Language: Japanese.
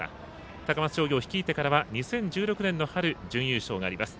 高松商業を率いてからは２０１６年の春準優勝があります。